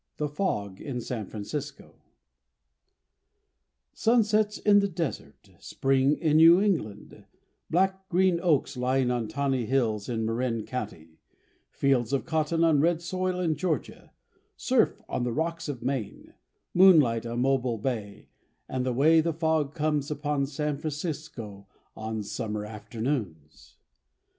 The Fog in San Francisco Sunsets in the desert, spring in New England, black green oaks lying on tawny hills in Marin County, fields of cotton on red soil in Georgia, surf on the rocks of Maine, moonlight on Mobile Bay, and the way the fog comes upon San Francisco on summer afternoons.